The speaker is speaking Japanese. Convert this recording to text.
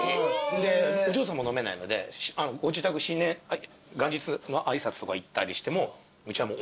でお嬢さんも飲めないのでご自宅元日の挨拶とか行ったりしても。